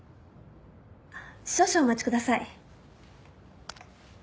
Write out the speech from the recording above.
少々お待ちください。